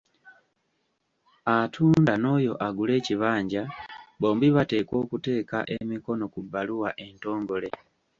Atunda n'oyo agula ekibanja bombi bateekwa okuteeka emikono ku bbaluwa entongole.